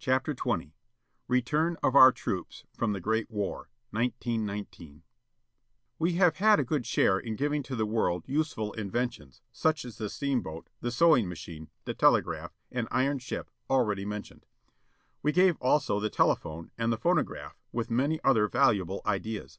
"Jftr"'"*^ THE SHEEP RETURN OF OUR TROOPS FROM THE GREAT WAR. 1919 E have had a good share in giving to the world useful inventions, as the steamboat, the sewing machine, the telegraph, and iron ship, already mentioned. We gave also the telephone, and the phono graph, with many other valuable ideas.